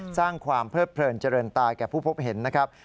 สร้างความเพลิดเพลินเจริญตายแก่ผู้พบเห็นนะครับ